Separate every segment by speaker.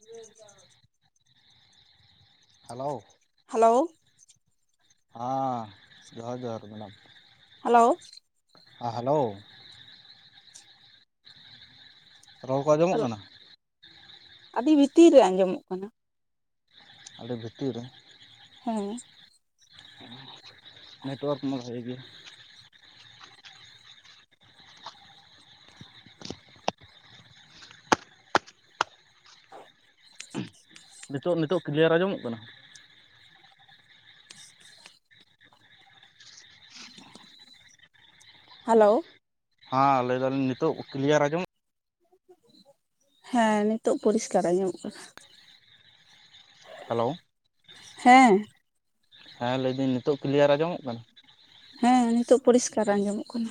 Speaker 1: ᱪᱤᱠᱟᱹᱭ ᱫᱟᱢ?
Speaker 2: ᱦᱟᱞᱟᱣ
Speaker 1: ᱦᱟᱞᱟᱣ
Speaker 2: ᱦᱟᱸ ᱡᱚᱦᱟᱨ ᱜᱮ ᱢᱮᱰᱟᱢ
Speaker 1: ᱦᱟᱞᱟᱣ
Speaker 2: ᱦᱟᱸ ᱦᱟᱞᱟᱣ ᱨᱚᱲ ᱠᱚ ᱟᱸᱡᱚᱢᱚᱜ ᱠᱟᱱᱟ?
Speaker 1: ᱟᱰᱤ ᱵᱷᱤᱛᱤᱨ ᱨᱮ ᱟᱸᱡᱚᱢᱚᱜ ᱠᱟᱱᱟ
Speaker 2: ᱟᱰᱤ ᱵᱷᱤᱛᱤ ᱨᱮ?
Speaker 1: ᱦᱮᱸ
Speaker 2: ᱱᱮᱴᱳᱣᱟᱨᱠ ᱢᱟ ᱵᱷᱟᱜᱮ ᱜᱮ ᱱᱤᱛᱚᱜ ᱱᱤᱛᱚᱜ ᱠᱞᱤᱭᱟᱨ ᱟᱸᱡᱚᱢᱚᱜ ᱠᱟᱱᱟ?
Speaker 1: ᱦᱟᱞᱟᱣ
Speaker 2: ᱦᱟᱸ ᱞᱟᱹᱭ ᱮᱫᱟᱞᱤᱧ ᱱᱤᱛᱚᱜ ᱠᱞᱤᱭᱟᱨ ᱟᱡᱚᱢ
Speaker 1: [inaudible] ᱦᱮᱸ ᱱᱤᱛᱚᱜ ᱯᱚᱨᱤᱥᱠᱟᱨ ᱟᱸᱡᱚᱢ ᱚᱜ ᱠᱟᱱᱟ
Speaker 2: ᱦᱮᱞᱳ
Speaker 1: ᱦᱮᱸ
Speaker 2: ᱦᱮᱸ ᱞᱟᱹᱭᱫᱟᱹᱧ ᱱᱤᱛᱚᱜ ᱠᱞᱤᱭᱟᱨ ᱟᱸᱡᱚᱢᱚᱜ ᱠᱟᱱᱟ
Speaker 1: ᱦᱮᱸ ᱱᱤᱛᱚᱜ ᱯᱚᱨᱤᱥᱠᱟᱨ ᱟᱸᱡᱚᱢᱚᱜ ᱠᱟᱱᱟ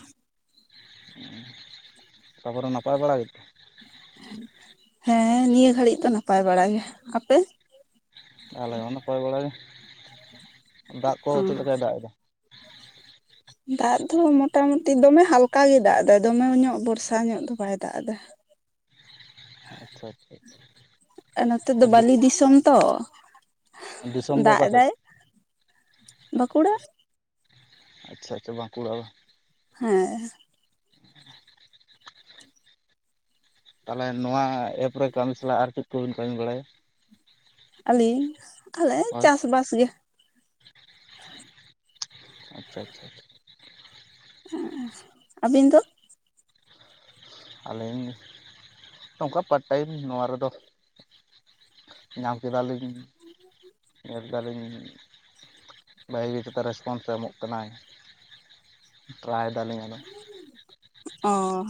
Speaker 2: ᱩ [inaudible] ᱛᱟᱯᱚᱨᱮ ᱱᱟᱯᱟᱭ ᱵᱟᱲᱟ ᱜᱮᱛ
Speaker 1: ᱦᱮᱸ ᱱᱤᱭᱟᱹ ᱜᱷᱟᱹᱲᱤᱡ ᱫᱚ ᱱᱟᱯᱟᱭ ᱵᱟᱲᱟ ᱜᱮ ᱟᱯᱮ
Speaker 2: ᱟᱞᱮ ᱦᱚ ᱱᱟᱯᱟᱭ ᱵᱟᱲᱟ ᱜᱮ ᱫᱟᱜ ᱠᱚ
Speaker 1: ᱚ
Speaker 2: ᱪᱮᱫ ᱞᱮᱠᱟᱭ ᱫᱟᱜ ᱮᱫᱟ
Speaker 1: ᱫᱟᱜ ᱫᱚ ᱢᱚᱴᱟᱢᱩᱴᱤ ᱫᱚᱢᱮ ᱦᱟᱞᱠᱟᱭ ᱫᱟᱜ ᱮᱫᱟ ᱫᱚᱢᱮ ᱧᱚᱜ ᱵᱚᱨᱥᱟ ᱧᱚᱜ ᱫᱚ ᱵᱟᱭ ᱫᱟᱜ ᱮᱫᱟ
Speaker 2: ᱟᱪᱪᱷᱟ ᱟᱪᱪᱷᱟ ᱟᱪᱪᱷᱟ ᱟᱪᱪᱷᱟ
Speaker 1: ᱱᱚᱛᱮ ᱫᱚ ᱵᱟᱟᱹᱞᱤ ᱫᱤᱥᱚᱢ ᱛᱚ
Speaker 2: ᱫᱤᱥᱚᱢ ᱫᱚ
Speaker 1: ᱫᱟᱜ
Speaker 2: ᱚᱠᱟ ᱥᱮᱫ
Speaker 1: ᱫᱟᱭ ᱵᱟᱸᱠᱩᱲᱟ
Speaker 2: ᱟᱪᱪᱷᱟ ᱟᱪᱪᱷᱟ ᱟᱸᱵᱟᱠᱩᱲᱟ ᱵᱟ
Speaker 1: ᱦᱮᱸ
Speaker 2: ᱛᱟᱦᱚᱞᱮ ᱱᱚᱣᱟ ᱮᱯ ᱨᱮ ᱠᱟᱹᱢᱤ ᱥᱟᱞᱟᱜ ᱟᱨ ᱪᱮᱫ ᱠᱚᱵᱤᱱ ᱠᱟᱹᱢᱤ ᱵᱟᱲᱟᱭᱟ
Speaker 1: ᱟᱹᱞᱤᱧ ᱟᱞᱮ
Speaker 2: ᱦᱳᱭ
Speaker 1: ᱪᱟᱥᱵᱟᱥ ᱜᱮ
Speaker 2: ᱟᱪᱪᱷᱟ ᱟᱪᱪᱷᱟ
Speaker 1: ᱟᱹᱵᱤᱱ ᱫᱚ
Speaker 2: ᱟᱹᱞᱤᱮᱧ [inaudible] ᱱᱚᱝᱠᱟ ᱯᱟᱨᱴ ᱴᱟᱭᱤᱢ ᱱᱚᱣᱟ ᱨᱮᱫᱚ ᱧᱟᱢ ᱠᱮᱫᱟᱞᱤᱧ ᱧᱮᱞ ᱢᱮᱱ ᱫᱟᱞᱤᱧ [inaudible] ᱵᱷᱟᱹᱜᱤᱛ ᱨᱮᱥᱯᱚᱱᱥ ᱮᱢᱚᱜ ᱠᱟᱱᱟᱭ [inaudible] ᱴᱨᱟᱭ ᱫᱟᱞᱤᱧ ᱟᱫᱚ
Speaker 1: ᱚᱸᱻ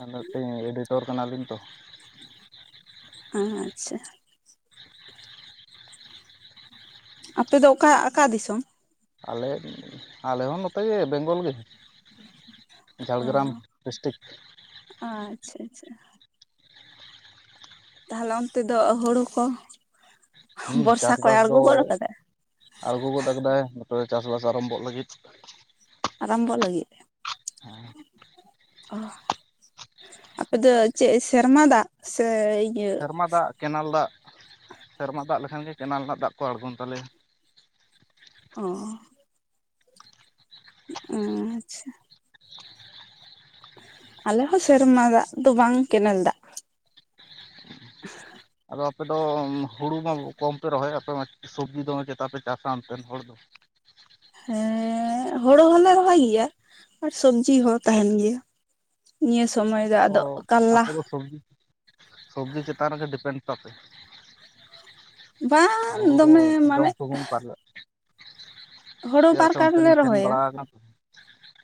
Speaker 2: ᱟᱨ ᱱᱚᱛᱮ ᱮᱰᱤᱴᱚᱨ ᱠᱟᱱᱟᱵᱤᱱ ᱛᱚ
Speaker 1: ᱚᱦᱚ ᱟᱪᱪᱷᱟ ᱟᱯᱮ ᱫᱚ ᱚᱠᱟ ᱟᱠᱟ ᱫᱤᱥᱚᱢ
Speaker 2: ᱟᱞᱮ ᱟᱞᱮ ᱦᱚᱸ ᱱᱚᱛᱮ ᱜᱮ ᱵᱮᱝᱜᱚᱞ ᱜᱮ
Speaker 1: ᱚ
Speaker 2: ᱡᱷᱟᱲᱜᱨᱟᱢ ᱰᱤᱥᱴᱤᱠ
Speaker 1: ᱟᱪᱪᱷᱟ ᱟᱪᱪᱷᱟ ᱛᱟᱦᱚᱞᱮ ᱚᱱᱛᱮ ᱫᱚ ᱦᱩᱲᱩ ᱠᱚ
Speaker 2: ᱦᱩᱸ
Speaker 1: ᱵᱚᱨᱥᱟ ᱠᱚᱭ
Speaker 2: ᱪᱟᱥᱵᱟᱥ
Speaker 1: ᱟᱬᱜᱚ
Speaker 2: ᱫᱚ
Speaker 1: ᱜᱚᱫ ᱠᱟᱫᱟ
Speaker 2: ᱟᱬᱜᱚ ᱜᱚᱫ ᱠᱟᱫᱟᱭ ᱱᱚᱛᱮ ᱫᱚ ᱪᱟᱥᱵᱟᱥ ᱟᱨᱚᱢᱵᱚᱜᱷᱚᱜ ᱞᱟᱹᱜᱤᱫ
Speaker 1: ᱟᱨᱚᱢᱵᱚᱜ ᱞᱟᱜᱤᱜ ᱮᱢ ᱟᱯᱮ ᱫᱚ ᱪᱮᱫ ᱥᱮᱨᱢᱟ ᱫᱟᱜ ᱥᱮ ᱤᱭᱟᱹ
Speaker 2: ᱢᱟ ᱫᱟᱜ ᱠᱮᱱᱮᱞ ᱫᱟᱜ ᱥᱮᱨᱢᱟ ᱫᱟᱜ ᱞᱮᱠᱷᱟᱱ ᱜᱮ ᱠᱮᱱᱮᱞ ᱨᱮᱱᱟᱜ ᱫᱟᱜ ᱠᱚ ᱟᱬᱜᱳᱚᱱ ᱛᱟᱞᱮᱭᱟ
Speaker 1: ᱚᱦᱚ ᱟᱸᱪᱪᱷᱟ ᱟᱞᱮ ᱦᱚᱸ ᱥᱮᱨᱢᱟ ᱫᱟᱜ ᱫᱚ ᱵᱟᱝ ᱠᱮᱱᱮᱞ ᱫᱟᱜ
Speaker 2: ᱟᱫᱚ ᱟᱯᱮᱫᱚ ᱦᱩᱲᱩ ᱢᱟ ᱠᱚᱢᱯᱮ ᱨᱚᱦᱚᱭ ᱟᱯᱮ ᱢᱟ ᱥᱚᱵᱽᱡᱤ ᱫᱚᱢᱮ ᱪᱮᱛᱟ ᱯᱮ ᱪᱟᱥᱟ ᱚᱱᱛᱮᱱ ᱦᱚᱲ ᱫᱚ
Speaker 1: ᱦᱮᱸ ᱦᱳᱲᱩ ᱦᱚᱸᱞᱮ ᱨᱚᱦᱚᱭ ᱜᱮᱭᱟ ᱟᱨ ᱥᱚᱵᱡᱤ ᱦᱚᱸ ᱛᱟᱦᱮᱱ ᱜᱮᱭᱟ ᱱᱤᱭᱟᱹ ᱥᱚᱢᱚᱭ ᱫᱚ ᱟᱫᱚ ᱠᱟᱞᱞᱟ
Speaker 2: ᱥᱩᱵᱡᱤ ᱥᱚᱵᱡᱤ ᱪᱮᱛᱟᱱ ᱨᱮᱜᱮ ᱰᱤᱯᱮᱱᱰ ᱛᱟᱯᱮ
Speaker 1: ᱵᱟᱝ
Speaker 2: ᱦᱩᱲᱩ ᱫᱚ
Speaker 1: ᱫᱚᱢᱮ
Speaker 2: ᱡᱚᱢ
Speaker 1: ᱢᱟᱱᱮ
Speaker 2: ᱥᱩᱢᱩᱢ ᱯᱟᱞᱮᱜ
Speaker 1: ᱦᱩᱲᱩ ᱵᱟᱨ ᱠᱟᱨᱴ ᱞᱮ ᱨᱚᱦᱚᱭᱟ
Speaker 2: [inaudible]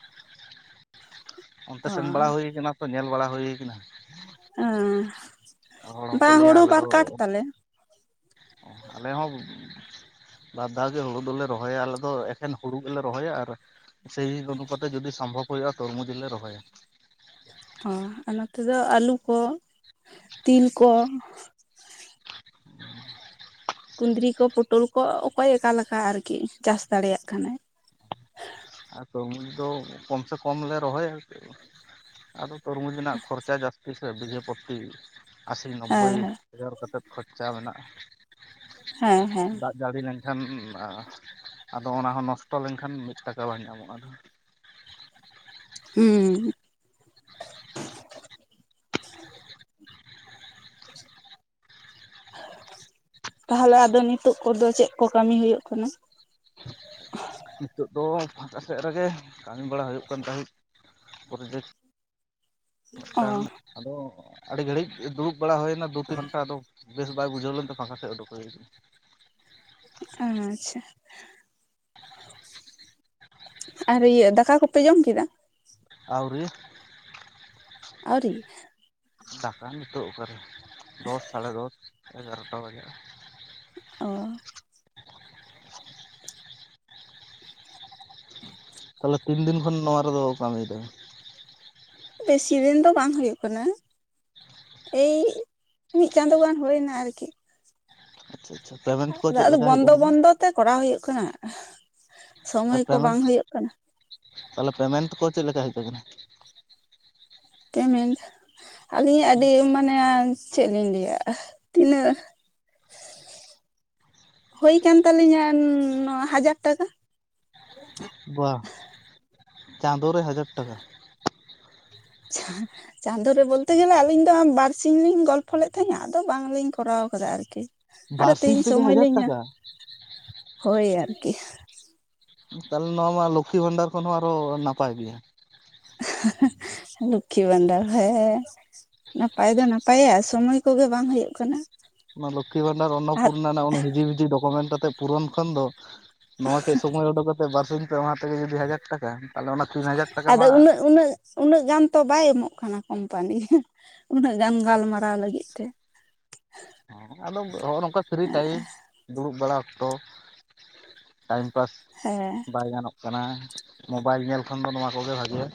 Speaker 2: ᱚᱱᱛᱮ
Speaker 1: ᱚ
Speaker 2: ᱥᱮᱱ ᱵᱟᱲᱟ ᱦᱩᱭ ᱠᱟᱱᱟ ᱛᱚ ᱧᱮᱞ ᱵᱟᱲᱟ ᱦᱩᱭ ᱠᱟᱱᱟ ᱦᱚᱲ
Speaker 1: [unintelligible] ᱵᱟ
Speaker 2: ᱦᱚᱸᱠᱚ
Speaker 1: ᱦᱩᱲᱩ ᱵᱟᱨ ᱠᱟᱴ ᱛᱟᱞᱮ
Speaker 2: ᱚᱸ ᱟᱞᱮ ᱦᱚᱸ ᱵᱟᱨᱫᱟᱣ ᱜᱮ ᱦᱩᱲᱩ ᱫᱚᱞᱮ ᱨᱚᱦᱚᱭᱟ ᱟᱞᱮ ᱫᱚ ᱮᱠᱷᱮᱱ ᱦᱩᱲᱩ ᱜᱮᱞᱮ ᱨᱚᱦᱚᱭᱟ ᱟᱨ ᱥᱮᱭ [unintelligible] ᱡᱩᱫᱤ ᱥᱚᱢᱵᱷᱚᱵ ᱦᱩᱭᱩᱜᱼᱟ ᱛᱚᱨᱢᱩᱡ ᱞᱮ ᱨᱚᱦᱚᱭᱟ᱾
Speaker 1: ᱚ ᱟᱨ ᱱᱚᱛᱮ ᱫᱚ ᱟᱹᱞᱩ ᱠᱚ ᱛᱤᱞ ᱠᱚ ᱠᱩᱸᱫᱽᱨᱤ ᱠᱚ ᱯᱚᱴᱚᱞ ᱠᱚ ᱚᱠᱚᱭ ᱚᱠᱟᱞᱮᱠᱟ ᱟᱨᱠᱤ ᱪᱟᱥ ᱫᱟᱲᱮᱭᱟᱜ ᱠᱟᱱᱟᱭ
Speaker 2: ᱟᱨ ᱛᱩᱨᱢᱩᱡ ᱫᱚ ᱠᱚᱢ ᱥᱮ ᱠᱚᱢ ᱞᱮ ᱨᱚᱦᱚᱭᱟ ᱟᱫᱚ ᱛᱩᱨᱵᱩᱡᱽ ᱨᱮᱱᱟᱜ ᱠᱷᱚᱨᱪᱟ ᱡᱟᱹᱥᱛᱤ ᱥᱮ ᱵᱤᱡᱷᱟᱹᱯᱚᱛᱤ ᱟᱥᱤ ᱱᱚᱵᱵᱚᱭ
Speaker 1: ᱦᱮᱸ ᱦᱮᱸ
Speaker 2: ᱦᱟᱡᱟᱨ ᱠᱟᱛᱮ ᱠᱷᱚᱪᱪᱟ ᱢᱮᱱᱟᱜᱼᱟ᱾
Speaker 1: ᱦᱮᱸ ᱦᱮᱸ
Speaker 2: ᱫᱟᱜ ᱡᱟᱹᱲᱤ ᱞᱮᱱᱠᱷᱟᱱ ᱱᱟᱸ ᱟᱫᱚ ᱚᱱᱟ ᱦᱚᱸ ᱱᱚᱥᱴᱚ ᱞᱮᱱᱠᱷᱟᱱ ᱢᱤᱫ ᱴᱟᱠᱟ ᱵᱟᱝ ᱧᱟᱢᱚᱜᱼᱟ ᱟᱫᱚ
Speaker 1: ᱦᱩᱸ ᱦᱩ ᱛᱟᱦᱚᱞᱮ ᱟᱫᱚ ᱱᱤᱛᱳᱜ ᱠᱚᱫᱚ ᱪᱮᱫ ᱠᱚ ᱠᱟᱹᱢᱤ ᱦᱩᱭᱩᱜ ᱠᱟᱱᱟ᱾
Speaker 2: ᱱᱤᱛᱚᱜ ᱫᱚ ᱯᱷᱟᱠᱟ ᱥᱮᱫ ᱨᱮᱜᱮ ᱠᱟᱹᱢᱤ ᱵᱟᱲᱟ ᱦᱩᱭᱩᱜ ᱠᱟᱱ ᱛᱟᱦᱮᱸᱫ ᱚᱲᱟᱜ ᱠᱚᱨᱮ ᱜᱮ᱾
Speaker 1: ᱚ
Speaker 2: ᱠᱷᱟᱱ ᱟᱫᱚ ᱟᱹᱰᱤ ᱜᱷᱟᱹᱲᱤᱡᱽ ᱫᱩᱲᱩᱵᱽ ᱵᱟᱲᱟ ᱦᱩᱭᱱᱟ ᱫᱩ ᱛᱤᱱ ᱜᱷᱚᱱᱴᱟ ᱟᱫᱚ ᱵᱮᱥ ᱵᱟᱭ ᱵᱩᱡᱷᱟᱹᱣᱮᱱ ᱯᱷᱟᱠᱟ ᱥᱮᱫ ᱩᱰᱩᱠ ᱦᱩᱭ ᱱᱟ
Speaker 1: ᱟᱪᱪᱷᱟ ᱟᱨ ᱤᱭᱟᱹ ᱫᱟᱠᱟ ᱠᱚᱯᱮ ᱡᱚᱢ ᱠᱮᱫᱟ᱾
Speaker 2: ᱟᱹᱣᱨᱤᱭᱟ
Speaker 1: ᱟᱹᱣᱨᱤ
Speaker 2: ᱫᱟᱠᱟ ᱱᱤᱛᱚᱜ ᱚᱠᱟᱨᱮ ᱫᱚᱥ ᱥᱟᱲᱮ ᱫᱚᱥ ᱮᱜᱟᱨᱚᱴᱟ ᱵᱟᱡᱟᱜᱼᱟ᱾
Speaker 1: ᱚ
Speaker 2: ᱛᱟᱦᱚᱞᱮ ᱛᱤᱱ ᱫᱤᱱ ᱠᱷᱚᱱ ᱱᱚᱣᱟ ᱨᱮᱫᱚ ᱠᱟᱹᱢᱤᱭ ᱫᱟ
Speaker 1: ᱵᱮᱥᱤ ᱫᱤᱱ ᱫᱚ ᱵᱟᱝ ᱦᱩᱭᱩᱜ ᱠᱟᱱᱟ᱾ ᱮᱭ ᱢᱤᱫ ᱪᱟᱸᱫᱳ ᱜᱟᱱ ᱦᱩᱭᱱᱟ ᱟᱨᱠᱤ
Speaker 2: ᱟᱪᱪᱷᱟ ᱛᱟᱵᱮ
Speaker 1: ᱟᱫᱚ ᱵᱚᱱᱫᱚ ᱵᱚᱱᱫᱚ ᱛᱮ ᱠᱚᱨᱟᱣ ᱦᱩᱭᱩᱜ ᱠᱟᱱᱟ᱾ ᱥᱚᱢᱚᱭ ᱠᱚ ᱵᱟᱝ
Speaker 2: ᱯᱮᱢᱴ
Speaker 1: ᱦᱩᱭᱩᱜ ᱠᱟᱱᱟ
Speaker 2: ᱛᱟᱦᱚᱞᱮ ᱯᱮᱢᱮᱱᱴ ᱠᱚ ᱪᱮᱫᱞᱮᱠᱟ ᱦᱤᱡᱽ ᱟᱠᱟᱱᱟ᱾
Speaker 1: ᱯᱮᱢᱮᱱᱴ ᱟᱹᱞᱤᱧᱟᱜ ᱟᱹᱰᱤ ᱢᱟᱱᱮ ᱪᱮᱫ ᱞᱤᱧ ᱞᱟᱹᱭᱟᱼᱟ ᱛᱤᱱᱟᱹᱜ ᱦᱩᱭ ᱠᱟᱱ ᱛᱟᱞᱤᱧᱟ ᱱᱚᱣᱟ ᱦᱟᱡᱟᱨ ᱴᱟᱠᱟ᱾
Speaker 2: ᱵᱟ ᱪᱟᱸᱫᱳ ᱨᱮ ᱦᱟᱡᱟᱨ ᱴᱟᱠᱟ
Speaker 1: ᱟᱪᱷᱟ ᱪᱟᱸᱫᱳ ᱨᱮ ᱵᱚᱞᱛᱮ ᱜᱮᱞᱮ ᱟᱹᱞᱤᱧ ᱫᱚ ᱵᱟᱨᱥᱤ ᱞᱤᱧ ᱜᱚᱞᱯᱷᱚ ᱞᱮᱫ ᱛᱟᱦᱮᱸᱱᱟ ᱟᱫᱚ ᱵᱟᱝᱞᱤᱧ ᱠᱚᱨᱟᱣ ᱠᱟᱫᱟ ᱟᱨᱠᱤ ᱟᱨᱚ
Speaker 2: ᱵᱟᱨᱥᱤᱧ
Speaker 1: ᱛᱮᱦᱤᱧ
Speaker 2: ᱛᱮᱜᱮ
Speaker 1: ᱥᱚᱢᱚᱭ
Speaker 2: ᱦᱟᱡᱟᱨ
Speaker 1: ᱞᱤᱧᱟ
Speaker 2: ᱴᱟᱠᱟ
Speaker 1: ᱦᱳᱭ ᱟᱨᱠᱤ
Speaker 2: ᱛᱟᱦᱞᱮ ᱱᱚᱣᱟ ᱢᱟ ᱞᱚᱠᱠᱷᱤ ᱵᱷᱟᱱᱰᱟᱨ ᱠᱷᱚᱱ ᱦᱚᱸ ᱟᱨᱚ ᱱᱟᱯᱟᱭ ᱜᱮᱭᱟ᱾
Speaker 1: ᱞᱚᱠᱠᱷᱤ ᱵᱷᱟᱱᱫᱟᱨ ᱦᱮ ᱦᱮ ᱱᱟᱯᱟᱭ ᱫᱚ ᱱᱟᱯᱟᱭᱟ ᱥᱚᱢᱚᱭ ᱠᱚᱜᱮ ᱵᱟᱝ ᱦᱩᱭᱩᱜ ᱠᱟᱱᱟ᱾
Speaker 2: ᱚᱱᱟ ᱞᱚᱠᱠᱷᱤ ᱵᱷᱟᱱᱰᱟᱨ
Speaker 1: ᱟᱨ
Speaker 2: ᱚᱱᱱᱚᱯᱩᱨᱱᱟ ᱨᱮᱱᱟᱜ ᱚᱱᱟ ᱦᱤᱡᱤ ᱵᱷᱤᱡᱤ ᱰᱚᱠᱚᱢᱮᱱᱴ ᱠᱟᱛᱮᱜ ᱯᱩᱨᱚᱱ ᱠᱷᱚᱱ ᱫᱚ ᱱᱚᱣᱟ ᱠᱟᱹᱡᱽ ᱥᱚᱢᱚᱭ ᱩᱰᱩᱠ ᱠᱟᱛᱮᱫ ᱵᱟᱨᱥᱤᱧ ᱯᱮ ᱢᱟᱹᱦᱟ ᱛᱮᱜᱮ ᱡᱩᱫᱤ ᱦᱟᱡᱟᱨ ᱴᱟᱠᱟ ᱛᱟᱦᱚᱞᱮ ᱚᱱᱟ ᱛᱤᱱ ᱦᱟᱡᱟᱨ ᱴᱟᱠᱟ
Speaker 1: ᱟᱫᱚ
Speaker 2: ᱢᱟ
Speaker 1: ᱩᱱᱟᱹᱜ ᱩᱱᱟᱹᱜ ᱩᱱᱟᱹᱜ ᱜᱟᱱ ᱛᱚ ᱵᱟᱭ ᱮᱢᱚᱜ ᱠᱟᱱᱟ ᱠᱳᱢᱯᱟᱱᱤ ᱩᱱᱟᱹᱜ ᱜᱟᱱ ᱜᱟᱞᱢᱟᱨᱟᱣ ᱞᱟᱹᱜᱤᱫ ᱛᱮ
Speaker 2: ᱦᱮ ᱟᱫᱚ ᱱᱚᱜᱼᱚ ᱱᱚᱝᱠᱟ ᱯᱷᱤᱨᱤ ᱴᱟᱭᱤᱢ ᱫᱩᱲᱩᱵ ᱵᱟᱲᱟ ᱚᱠᱛᱚ ᱴᱟᱭᱤᱢ ᱯᱟᱥ
Speaker 1: ᱦᱮᱸ
Speaker 2: ᱵᱟᱭ ᱜᱟᱱᱚᱜ ᱠᱟᱱᱟ ᱢᱳᱵᱟᱭᱤᱞ ᱧᱮᱞ ᱠᱷᱚᱱ ᱫᱚ ᱱᱚᱣᱟ ᱠᱚᱜᱮ ᱵᱷᱟᱜᱤᱭᱟ᱾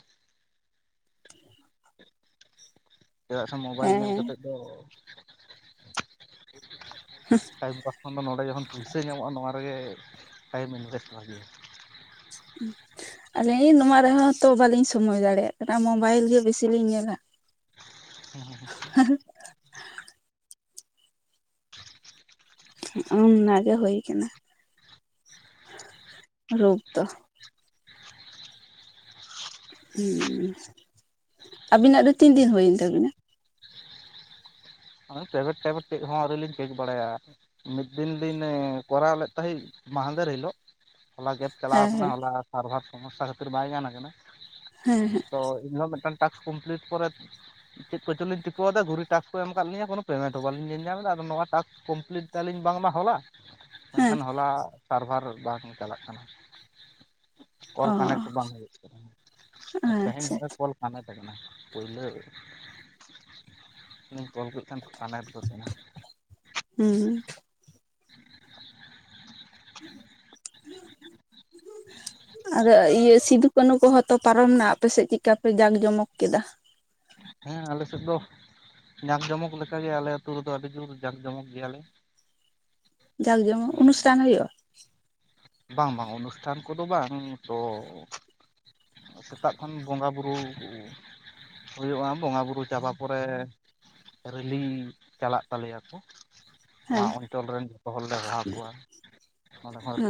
Speaker 2: ᱪᱮᱫᱟᱜ ᱥᱮ ᱢᱳᱵᱟᱭᱤᱞ ᱧᱮᱞ
Speaker 1: ᱦᱮᱸ
Speaker 2: ᱠᱟᱛᱮ ᱫᱚ
Speaker 1: ᱦᱮᱸ
Speaker 2: ᱴᱟᱭᱤᱢ ᱯᱟᱥ ᱠᱷᱚᱱ ᱫᱚ ᱱᱚᱸᱰᱮ ᱡᱚᱠᱷᱚᱱ ᱯᱩᱭᱥᱟᱹ ᱧᱟᱢᱚᱜᱼᱟ ᱱᱚᱣᱟ ᱨᱮᱜᱮ ᱴᱟᱭᱤᱢ ᱤᱱᱵᱷᱮᱥᱴ ᱵᱷᱟᱜᱤᱭᱟ᱾
Speaker 1: ᱟᱹᱞᱤᱧ ᱱᱚᱣᱟ ᱨᱮᱦᱚᱸ ᱛᱚ ᱵᱟᱞᱤᱧ ᱥᱚᱢᱚᱭ ᱫᱟᱲᱮᱭᱟᱜ ᱠᱟᱱᱟ ᱢᱳᱵᱟᱭᱤᱞ ᱜᱮ ᱵᱤᱥᱤ ᱞᱤᱧ ᱧᱮᱞᱟ
Speaker 2: [unintelligible]
Speaker 1: ᱚᱱᱟᱜ ᱜᱮ ᱦᱩᱭ ᱠᱟᱱᱟ ᱨᱩᱯ ᱫᱚ
Speaker 2: [inaudible]
Speaker 1: ᱦᱮᱸ ᱟᱵᱤᱱᱟᱜ ᱫᱚ ᱛᱤᱱ ᱫᱤᱱ ᱦᱩᱭᱮᱱ ᱛᱟᱵᱤᱱᱟ?
Speaker 2: [unintelligible] ᱛᱮᱫ ᱦᱚᱸ ᱟᱹᱣᱨᱤ ᱞᱤᱧ ᱪᱮᱠ ᱵᱟᱲᱟᱭᱟ ᱢᱤᱫ ᱫᱤᱱ ᱫᱤᱱᱮ ᱠᱚᱨᱟᱣ ᱞᱮᱫ ᱛᱟᱦᱮᱸᱜ ᱢᱟᱦᱟᱫᱮᱨ ᱦᱤᱞᱚᱜ᱾ ᱦᱚᱞᱟ ᱠᱮᱯ ᱪᱟᱞᱟᱣ
Speaker 1: ᱦᱮᱸ
Speaker 2: ᱣᱠᱟᱱᱟ
Speaker 1: ᱦᱮᱸ
Speaker 2: ᱦᱚᱞᱟ ᱥᱟᱨᱵᱷᱟᱨ ᱥᱚᱢᱚᱥᱥᱟ ᱠᱷᱟᱹᱛᱤᱨ ᱵᱟᱭ ᱜᱟᱱ ᱟᱠᱟᱱᱟ᱾
Speaker 1: ᱦᱮᱸ ᱦᱮᱸ
Speaker 2: ᱛᱚ ᱤᱧᱦᱚᱸ ᱢᱤᱫᱴᱟᱝ ᱴᱟᱥᱠ ᱠᱚᱢᱯᱞᱤᱴ ᱯᱚᱨᱮᱫ ᱪᱮᱫ ᱠᱚᱪᱚᱞᱤᱧ ᱴᱤᱠᱟᱹᱣᱮᱫᱟ ᱜᱷᱩᱨᱤ ᱴᱟᱥᱠ ᱠᱚ ᱮᱢᱫᱟ ᱠᱟᱫ ᱞᱤᱧᱟ ᱠᱚᱱᱳ ᱯᱮᱢᱮᱱᱴ ᱦᱚᱸ ᱵᱟᱞᱤᱧ ᱧᱮᱞ ᱧᱟᱢᱮᱫᱟ ᱟᱫᱚ ᱱᱚᱣᱟ ᱴᱟᱥᱠ ᱠᱚᱢᱯᱞᱤᱴ ᱟᱹᱞᱤᱧ ᱵᱟᱝᱢᱟ ᱦᱚᱞᱟ᱾
Speaker 1: ᱦᱮᱸ
Speaker 2: ᱢᱮᱱᱠᱷᱟᱱ ᱦᱚᱞᱟ ᱥᱟᱨᱵᱷᱟᱨ ᱵᱟᱝ ᱪᱟᱞᱟᱜ ᱠᱟᱱᱟ᱾ ᱠᱚᱞ
Speaker 1: ᱚ
Speaker 2: ᱠᱟᱱᱮᱠᱴ ᱵᱟᱝ ᱦᱩᱭᱩᱜ ᱠᱟᱱᱟ ᱛᱮᱦᱮᱧ
Speaker 1: ᱟᱪᱪᱷᱟ
Speaker 2: ᱦᱚᱸᱼ ᱠᱚᱞ ᱥ ᱛ [inaudible] ᱠᱟᱱᱟ ᱟᱠᱟᱱᱟ ᱯᱳᱭᱞᱳ ᱨᱮ ᱠᱚᱞ ᱠᱮ ᱠᱷᱟᱱ ᱠᱟᱱᱮᱠᱴ ᱜᱳ ᱤᱱᱟ
Speaker 1: ᱦᱩᱸ
Speaker 2: [inaudible]
Speaker 1: ᱟᱫᱚ ᱤᱭᱟᱹ ᱥᱤᱫᱩ ᱠᱟᱹᱱᱩ ᱠᱚ ᱛᱚ ᱯᱟᱨᱚᱢ ᱮᱱᱟ ᱟᱯᱮᱥᱮᱫ ᱪᱮᱫ ᱞᱮᱠᱟ ᱯᱮ ᱡᱟᱠ ᱡᱚᱢᱚᱠ ᱠᱮᱫᱟᱹ?
Speaker 2: ᱦᱮᱸ ᱟᱞᱮ ᱥᱮᱫ ᱫᱚ ᱧᱟᱢ ᱡᱚᱢᱚᱠ ᱞᱮᱠᱟᱜᱮ ᱟᱞᱮ ᱟᱹᱛᱩ ᱨᱮᱫᱚ ᱟᱹᱰᱤ ᱡᱳᱨ ᱡᱟᱠ ᱡᱚᱢᱚᱠ ᱜᱮᱭᱟᱞᱮ᱾
Speaker 1: ᱡᱟᱸᱠ ᱡᱚᱢ ᱚᱱᱩᱥᱴᱷᱟᱱ ᱦᱩᱭᱩᱜᱼᱟ?
Speaker 2: ᱵᱟᱝ ᱵᱟᱝ ᱚᱱᱩᱥᱴᱷᱟᱱ ᱠᱚᱫᱚ ᱵᱟᱝ ᱛᱚ᱾ ᱥᱮᱛᱟᱜ ᱠᱷᱚᱱ ᱵᱚᱸᱜᱟᱼᱵᱩᱨᱩ᱾ ᱦᱩᱭᱩᱜᱼᱟ ᱵᱚᱸᱜᱟ ᱵᱩᱨᱩ ᱪᱟᱵᱟ ᱯᱚᱨᱮ ᱨᱮᱞᱤᱝ ᱪᱟᱞᱟᱜ ᱛᱟᱞᱮᱭᱟ ᱠᱚ᱾ ᱱᱚᱣᱟ
Speaker 1: ᱦᱮᱸ
Speaker 2: ᱚᱧᱪᱚᱞ ᱨᱮᱱ ᱡᱚᱛᱚ ᱦᱚᱲᱞᱮ ᱦᱚᱦᱟᱣ ᱠᱚᱣᱟ᱾ ᱚᱸᱰᱮ ᱦᱚᱸ [unintelligible]
Speaker 1: ᱟᱪᱪᱷᱟ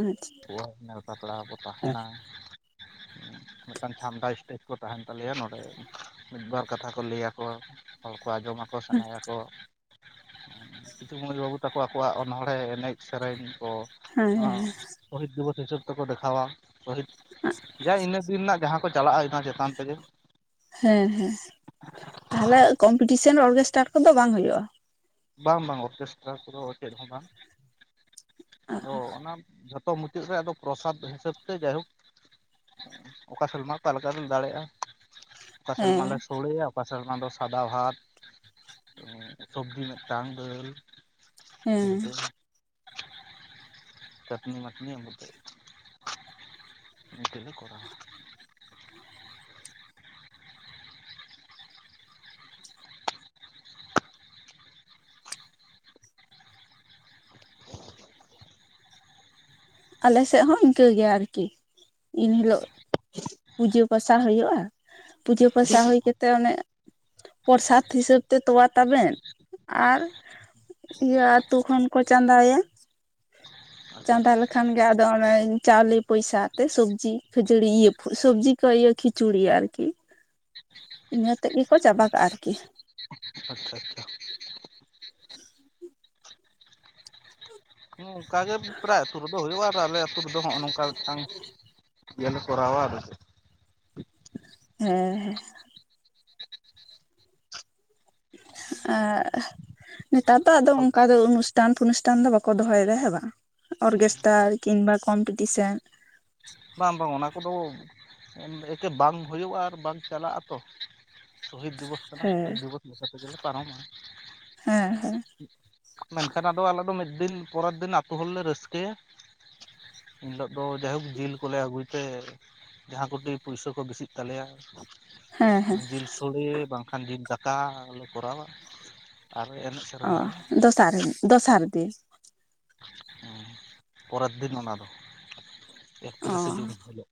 Speaker 2: ᱨᱟᱹᱠᱟᱹ ᱧᱮᱞ ᱯᱟᱛᱲᱟ ᱠᱚ ᱛᱟᱦᱮᱱᱟ ᱢᱤᱫᱴᱟᱝ ᱪᱷᱟᱢᱰᱟ ᱥᱴᱮᱡᱽ ᱠᱚ ᱛᱟᱦᱮᱱ ᱛᱟᱞᱮᱭᱟ ᱱᱚᱰᱮ ᱢᱤᱫᱵᱟᱨ ᱠᱟᱛᱷᱟ ᱠᱚ ᱞᱟᱹᱭᱟ ᱠᱚᱣᱟ᱾ ᱦᱚᱲ ᱠᱚ ᱟᱸᱡᱚᱢᱟᱠᱚ ᱥᱮᱬᱟᱭᱟᱠᱚ ᱠᱤᱪᱷ ᱢᱟᱹᱭ ᱵᱟᱹᱵᱩ ᱛᱟᱠᱚ ᱟᱠᱚᱣᱟᱜ ᱚᱱᱚᱲᱦᱮᱸ ᱮᱱᱮᱡ᱾ ᱥᱮᱨᱮᱧ ᱠᱚ ᱱᱚᱣᱟ
Speaker 1: ᱦᱮᱸ
Speaker 2: ᱥᱚᱦᱤᱛ ᱫᱤᱵᱚᱥ ᱦᱤᱥᱟᱹᱵᱽ ᱛᱮᱠᱚ ᱫᱮᱠᱷᱟᱣᱟ᱾ ᱥᱦᱤᱛ ᱡᱟ ᱤᱱᱟᱹ ᱫᱤᱱ ᱨᱮᱱᱟᱜ ᱡᱟᱦᱟᱸ ᱠᱚ ᱪᱟᱞᱟᱜᱼᱟ ᱚᱱᱟ ᱪᱮᱛᱟᱱ ᱛᱮᱜᱮ᱾
Speaker 1: ᱦᱮᱸ ᱦᱮᱸ ᱛᱟᱦᱚᱞᱮ ᱠᱚᱢᱯᱤᱴᱤᱥᱮᱱ ᱚᱨᱠᱮᱥᱴᱟᱨᱴ ᱠᱚᱫᱚ ᱵᱟᱝ ᱦᱩᱭᱩᱜᱼᱟ?
Speaker 2: ᱵᱟᱝ ᱵᱟᱝ ᱚᱨᱠᱮᱥᱴᱨᱟ ᱠᱚᱫᱚ ᱪᱮᱫ ᱦᱚᱸ ᱵᱟᱝ ᱟᱫᱚ ᱚᱱᱟ ᱡᱚᱛ ᱚ [inaudible] ᱢᱩᱪᱟᱹᱫ ᱨᱮ ᱟᱫᱚ ᱯᱨᱚᱥᱟᱫᱽ ᱦᱤᱥᱟᱹᱵ ᱛᱮ ᱡᱟᱭᱦᱳᱠ ᱚᱠᱟ ᱥᱮᱞᱢᱟ ᱚᱠᱟ ᱞᱮᱠᱟ ᱵᱤᱱ ᱫᱟᱲᱮᱭᱟᱜᱼᱟ᱾ ᱚᱠᱟ ᱥᱮᱨᱢᱟ ᱞᱮ
Speaker 1: ᱦᱮᱸ
Speaker 2: ᱥᱲᱮᱭᱟ ᱚᱠᱟ ᱥᱮᱨᱢᱟ ᱫᱚ ᱥᱟᱫᱟ ᱵᱷᱟᱛ [unintelligible] ᱥᱚᱵᱡᱤ ᱢᱤᱫ ᱨᱟᱝ ᱫᱟ. ᱞ
Speaker 1: ᱦᱮᱸ
Speaker 2: ᱵᱷᱴ [inaudible] ᱪᱟᱹᱴᱱᱤ ᱢᱟᱴᱱᱤ ᱢᱩ [inaudible] ᱚᱱᱟᱛᱮ ᱞᱮ ᱠᱚᱨᱟᱣᱟ᱾ ᱦᱮ [unintelligible]
Speaker 1: ᱟᱞ ᱥᱮᱫ ᱦᱚᱸ ᱤᱱᱠᱟᱹᱜ ᱜᱮᱭᱟ ᱟᱨᱠᱤ ᱤᱱ ᱦᱤᱞᱚᱜ ᱯᱩᱡᱟᱹ ᱯᱟᱥᱟ ᱦᱩᱭᱩᱜᱼᱟ᱾ ᱯᱩᱡᱟᱹ ᱯᱟᱥᱟ ᱦᱩᱭ ᱠᱟᱛᱮᱫ ᱚᱱᱮ ᱯᱨᱚᱥᱟᱫᱽ ᱦᱤᱥᱟᱹᱵ ᱛᱮ ᱛᱚᱣᱟ ᱛᱟᱵᱮᱱ ᱟᱨ᱾ ᱤᱭᱟᱹ ᱟᱹᱛᱩ ᱠᱷᱚᱱ ᱠᱚ ᱪᱟᱸᱫᱟᱭᱟ᱾
Speaker 2: ᱟᱪᱪᱷᱟ
Speaker 1: ᱪᱟᱸᱫᱟ
Speaker 2: ᱟᱪᱪᱷᱟ
Speaker 1: ᱞᱮᱠᱷᱟᱱ ᱜᱮ ᱫᱚ ᱚᱱᱮ ᱪᱟᱣᱞᱮ ᱯᱚᱭᱥᱟ ᱛᱮ ᱥᱚᱵᱽᱡᱤ ᱠᱷᱤᱪᱩᱲᱤ ᱤᱭᱟᱹ ᱥᱚᱵᱽᱡᱤ ᱠᱚ ᱤᱭᱟᱹ ᱠᱷᱤᱪᱩᱲᱤ ᱟᱨᱠᱤ
Speaker 2: [inaudible]
Speaker 1: ᱤᱱᱟᱹᱛᱮᱫ ᱜᱮᱠᱚ ᱪᱟᱵᱟ ᱠᱟᱜᱼᱟ ᱟᱨᱠᱤ᱾
Speaker 2: ᱟᱪᱪᱷᱟ ᱟᱪᱪᱷᱟ ᱦᱮ ᱚᱱᱠᱟ ᱜᱮ ᱯᱨᱟᱭ ᱟᱹᱛᱩ ᱨᱮᱫᱚ ᱦᱩᱭᱩᱜᱼᱟ ᱟᱨ ᱟᱞᱮ ᱟ ᱟᱹᱛᱩ ᱨᱮᱫᱚ ᱱᱚᱜᱼᱚ ᱱᱚᱝᱠᱟ ᱢᱤᱫᱴᱟᱝ ᱜᱮᱞᱮ ᱠᱚᱚᱨᱣᱟ ᱟᱫᱚ᱾
Speaker 1: ᱦᱮᱸ ᱦᱮᱸ ᱟᱨ ᱱᱮᱛᱟᱨ ᱫᱚ ᱟᱫᱚ
Speaker 2: ᱪᱮᱫ
Speaker 1: ᱚᱱᱠᱟ ᱫᱚ ᱚᱱᱩᱥᱴᱷᱟᱱ ᱯᱷᱚᱱᱩᱥᱴᱷᱟᱱ ᱫᱚ ᱵᱟᱠᱚ ᱫᱚᱦᱚᱭᱮᱫᱟ ᱵᱟᱝ᱾ ᱚᱨᱜᱮᱥᱴᱟᱨ ᱠᱤᱢᱵᱟ ᱠᱚᱢᱯᱤᱴᱤᱥᱮᱱ
Speaker 2: ᱵᱟᱝ ᱵᱟᱝ ᱚᱱᱟ ᱠᱚᱫᱚ ᱮᱠᱮ ᱵᱟᱝ ᱦᱩᱭᱩᱜᱼᱟ ᱟᱨ ᱵᱟᱝ ᱪᱟᱞᱟᱜ ᱟᱛᱚ ᱥᱚᱦᱤᱫ ᱫᱤᱵᱚᱥ ᱠᱟᱱᱟ
Speaker 1: ᱦᱮᱸ
Speaker 2: ᱥᱚᱦᱤᱫ ᱫᱤᱵᱚᱥ ᱛᱮᱜᱮᱞᱮ ᱯᱟᱨᱚᱢᱟ᱾
Speaker 1: ᱦᱮᱸ ᱦᱮᱸ
Speaker 2: ᱢᱮᱱᱠᱷᱟᱱ ᱟᱫᱚ ᱟᱞᱮ ᱫᱚ ᱢᱤᱫ ᱫᱤᱱ ᱯᱚᱨᱮᱨ ᱫᱤᱱ ᱟᱹᱛᱩ ᱦᱚᱲᱞᱮ ᱨᱟᱹᱥᱠᱟᱹᱭᱟ ᱮᱱᱦᱤᱞᱳᱜ ᱫᱚ ᱡᱟᱭᱦᱳᱠ ᱡᱤᱞ ᱠᱚᱞᱮ ᱟᱹᱜᱩᱭ ᱛᱮ, ᱡᱟᱦᱟᱸ ᱠᱚᱴᱤ ᱯᱩᱭᱥᱟᱹ ᱠᱚ ᱵᱮᱥᱤᱜ ᱛᱟᱞᱮᱭᱟ
Speaker 1: ᱦᱮᱸ ᱦᱮᱸ
Speaker 2: ᱡᱤᱞ ᱥᱳᱲᱮ ᱵᱟᱝᱠᱷᱟᱱ ᱡᱤᱞ ᱫᱟᱠᱟ ᱞᱮ ᱠᱚᱨᱟᱣᱟ ᱟᱨ ᱮᱱᱮᱡ
Speaker 1: ᱚ
Speaker 2: ᱥᱮᱨᱮᱧ ᱟᱞᱮ
Speaker 1: ᱫᱚᱥᱟᱨ ᱫᱚᱥᱟᱨ ᱫᱤᱱ
Speaker 2: ᱦᱮᱸ ᱯᱚᱨᱮᱨ ᱫᱤᱱ ᱚᱱᱟ ᱫᱚ
Speaker 1: ᱚ
Speaker 2: ᱮᱠᱛᱨᱤᱥᱮ ᱡᱩᱱ ᱦᱤᱞᱳᱜ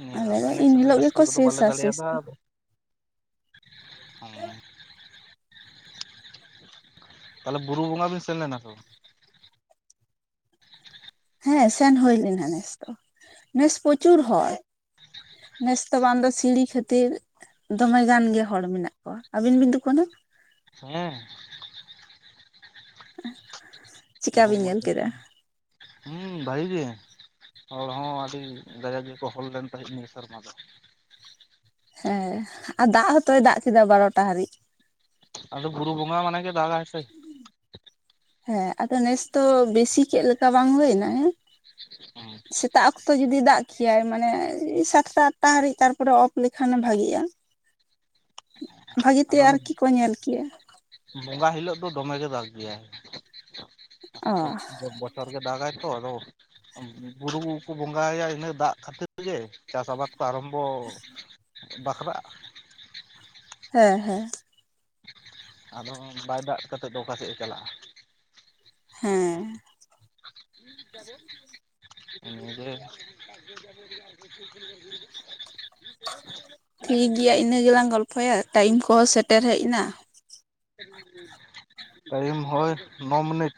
Speaker 2: ᱱᱤᱭᱟᱹ ᱫᱷᱟᱣ
Speaker 1: ᱟᱞᱮ
Speaker 2: ᱫᱚ ᱮᱱᱮᱡ ᱥᱮᱨᱮᱧ
Speaker 1: ᱮᱱᱦᱤᱞᱳᱜ
Speaker 2: ᱨᱟᱹᱥᱠᱟᱹ
Speaker 1: ᱜᱮᱠᱚ
Speaker 2: ᱠᱚᱫᱚ ᱵᱟᱞᱮ
Speaker 1: ᱥᱮᱥᱟ ᱥᱮᱥ
Speaker 2: ᱫᱟᱲᱮᱭᱟᱫᱟ
Speaker 1: ᱫᱚ
Speaker 2: ᱚ ᱛᱟᱦᱚᱞᱮ ᱵᱩᱨᱩ ᱵᱚᱸᱜᱟ ᱵᱤᱱ ᱥᱮᱱ ᱞᱮᱱᱟ ᱵᱟᱝ?
Speaker 1: ᱦᱮᱸ ᱥᱮᱱ ᱦᱩᱭ ᱞᱮᱱᱟ ᱱᱮᱥ ᱫᱚ ᱱᱮᱥ ᱯᱚᱪᱩᱨ ᱦᱚᱲ ᱱᱮᱥᱛᱚ ᱵᱟᱝᱫᱚ ᱥᱤᱲᱤ ᱠᱷᱟᱹᱛᱤᱨ ᱫᱚᱢᱮ ᱜᱟᱱ ᱜᱮ ᱦᱚᱲ ᱢᱮᱱᱟᱜ ᱠᱚᱣᱟ᱾ ᱟᱹᱵᱤᱱ ᱵᱤᱱ ᱫᱩᱠᱷᱟᱱᱟ?
Speaker 2: ᱦᱮᱸ
Speaker 1: ᱪᱮᱠᱟ ᱵᱤᱱ ᱧᱮᱞ ᱠᱮᱫᱟ?
Speaker 2: ᱦᱮᱸ ᱵᱷᱟᱹᱜᱤ ᱜᱮ ᱦᱚᱲ ᱦᱚᱸ ᱟᱹᱰᱤ ᱫᱟᱭᱟ ᱜᱮᱠᱚ ᱦᱚᱲ ᱞᱮᱱ ᱛᱟᱦᱮᱸᱫ ᱱᱤᱭᱟᱹ ᱥᱮᱨᱢᱟ ᱫᱚ
Speaker 1: ᱦᱮᱸ ᱟᱨ ᱫᱟᱜ ᱦᱚᱸᱛᱚᱭ ᱫᱟᱜ ᱠᱮᱫᱟ ᱵᱟᱨᱚᱴᱟ ᱦᱟᱹᱨᱤᱡ
Speaker 2: ᱟᱫᱚ ᱜᱩᱨᱩ ᱵᱚᱸᱜᱟ ᱢᱟᱱᱮ ᱜᱮ ᱫᱟᱜᱟ ᱥᱮ
Speaker 1: ᱦᱮᱸ ᱟᱫᱚ ᱱᱮᱥ ᱫᱚ ᱵᱮᱥᱤ ᱠᱮᱫ ᱞᱮᱠᱟ ᱵᱟᱝ ᱦᱩᱭᱱᱟ ᱦᱮᱸ
Speaker 2: [unintelligible]
Speaker 1: ᱥᱮᱛᱟᱜ ᱚᱠᱛᱚ ᱡᱩᱫᱤ ᱫᱟᱜ ᱠᱷᱮᱭᱟᱭ ᱢᱟᱱᱮ ᱥᱟᱛᱴᱟ ᱟᱴᱴᱟ ᱦᱟᱹᱨᱤᱡ ᱛᱟᱨᱯᱚᱨᱮ ᱚᱯᱷ ᱞᱮᱠᱷᱟᱱ ᱮ ᱵᱷᱟᱜᱤᱜᱼᱟ᱾
Speaker 2: [inaudible]
Speaker 1: ᱵᱷᱟᱹᱜᱤ ᱛᱮ
Speaker 2: ᱟᱫᱚ ᱚᱱᱮ
Speaker 1: ᱟᱨᱠᱤ ᱠᱚ ᱧᱮᱞ ᱠᱮᱭᱟ᱾
Speaker 2: ᱵᱚᱸᱜᱟ ᱦᱤᱞᱳᱜ ᱫᱚ ᱫᱚᱢ ᱜᱮ ᱫᱟᱜ ᱜᱮᱭᱟᱭ᱾
Speaker 1: ᱚ
Speaker 2: ᱵᱚᱪᱷᱚᱨ ᱵᱚᱪᱷᱟᱨ ᱜᱮ ᱫᱟᱜᱟᱭ ᱛᱚ ᱟᱫᱚ ᱵᱩᱨᱩᱠᱚ ᱵᱚᱸᱜᱟᱭᱟ ᱤᱱᱟᱹ ᱫᱟᱜ ᱠᱷᱟᱹᱛᱤᱨ ᱜᱮ ᱪᱟᱥ ᱟᱵᱟᱫᱽ ᱠᱚ ᱟᱨᱟᱢᱵᱚ ᱵᱟᱠᱷᱨᱟᱜᱼᱟ
Speaker 1: ᱦᱮᱸ ᱦᱮᱸ
Speaker 2: ᱟᱫᱚ ᱵᱟᱭ ᱫᱟᱜ ᱠᱟᱛᱮᱫ ᱫᱚ ᱚᱠᱟ ᱥᱮᱫ ᱮ ᱪᱟᱞᱟᱜᱼᱟ
Speaker 1: ᱦᱮᱸ
Speaker 2: ᱦᱩᱸ ᱡᱚᱵᱚ [unintelligible]
Speaker 1: ᱴᱷᱤᱠ ᱜᱮᱭᱟ ᱤᱱᱟᱹ ᱜᱮᱞᱟᱝ ᱜᱚᱞᱯᱷᱚᱭᱟ ᱴᱟᱭᱤᱢ ᱠᱚᱦᱚᱸ ᱥᱮᱴᱮᱨ ᱦᱮᱡ ᱱᱟ᱾
Speaker 2: ᱴᱟᱭᱤᱢ ᱦᱚᱭ ᱱᱚ ᱢᱤᱱᱤᱴ